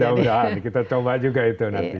mudah mudahan kita coba juga itu nanti